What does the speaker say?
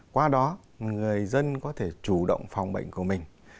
qua đó người dân có thể chủ động phòng bệnh của mình